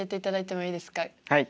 はい。